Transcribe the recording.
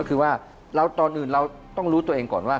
ก็คือว่าตอนอื่นเราต้องรู้ตัวเองก่อนว่า